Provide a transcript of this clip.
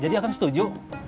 jadi akang setuju